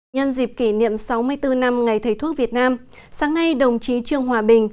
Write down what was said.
nhân dịp kỷ niệm sáu mươi bốn năm ngày thầy thuốc việt nam sáng nay đồng chí trương hòa bình